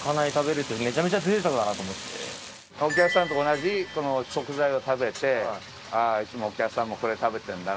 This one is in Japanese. お客さんと同じ食材を食べて「あぁいつもお客さんもこれ食べてんだな」